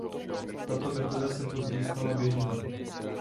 Tato metoda se později stala běžnou.